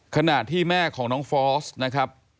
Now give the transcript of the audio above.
ขณะที่แม่ของน้องฟอสนะครับ